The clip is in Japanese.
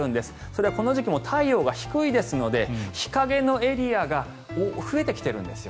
それはこの時期太陽が低いですので日陰のエリアが増えてきているんです。